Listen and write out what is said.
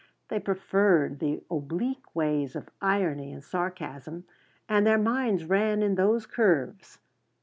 They preferred the oblique ways of irony and sarcasm, and their minds ran in those curves.